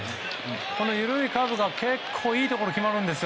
この緩いカーブが結構いいところに決まります。